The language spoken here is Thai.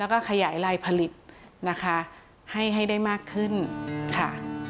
แล้วก็ขยายลายผลิตนะคะให้ได้มากขึ้นค่ะ